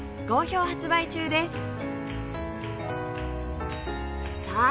好評発売中です